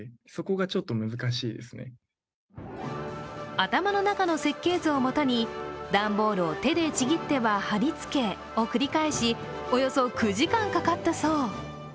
頭の中の設計図をもとに、段ボールを手でちぎっては貼りつけを繰り返しおよそ９時間かかったそう。